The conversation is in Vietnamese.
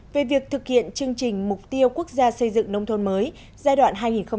về việc thực hiện chương trình mục tiêu quốc gia xây dựng nông thôn mới giai đoạn hai nghìn một mươi hai nghìn một mươi năm